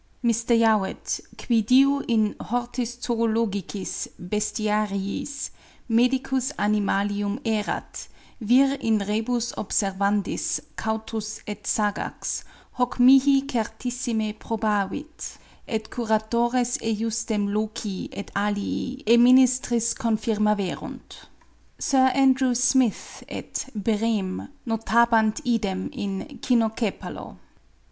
Mr. Youatt, qui diu in Hortis Zoologicis (Bestiariis) medicus animalium erat, vir in rebus observandis cautus et sagax, hoc mihi certissime probavit, et curatores ejusdem loci et alii e ministris confirmaverunt. Sir Andrew Smith et Brehm notabant idem in Cynocephalo.